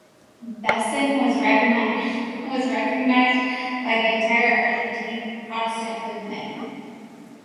Besson was recognized by the entire Argentine Protestant movement.